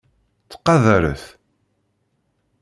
Ttqadaṛet.